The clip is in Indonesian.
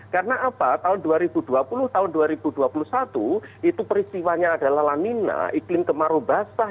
karena apa tahun dua ribu dua puluh tahun dua ribu dua puluh satu itu peristiwanya adalah lamina iklim kemaru basah